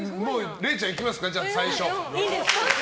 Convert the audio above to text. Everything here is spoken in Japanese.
れいちゃん、いきますか最初。